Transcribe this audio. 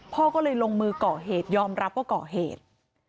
พ่อก็เลยลงมือก่อเหตุยอมรับว่าก่อเหตุ